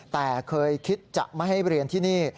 แต่เคยคิดจะไม่ให้เรียนที่นี่